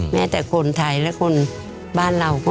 แม้แต่คนไทยและคนบ้านเราก็